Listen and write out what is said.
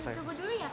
tunggu dulu ya pak